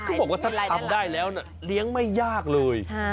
คือบอกว่าถ้าทำได้แล้วเนี่ยเลี้ยงไม่ยากเลยใช่